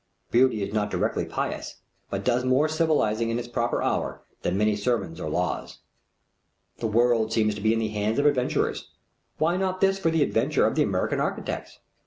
Beauty is not directly pious, but does more civilizing in its proper hour than many sermons or laws. The world seems to be in the hands of adventurers. Why not this for the adventure of the American architects?